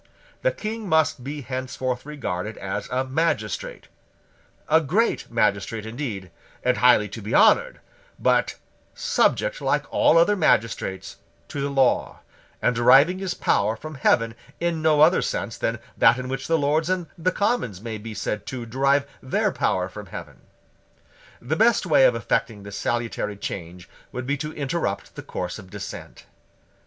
The King must be henceforth regarded as a magistrate, a great magistrate indeed and highly to be honoured, but subject, like all other magistrates, to the law, and deriving his power from heaven in no other sense than that in which the Lords and the Commons may be said to derive their power from heaven. The best way of effecting this salutary change would be to interrupt the course of descent.